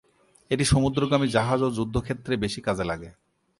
এটি সমুদ্রগামী জাহাজ ও যুদ্ধক্ষেত্রে বেশি কাজে লাগে।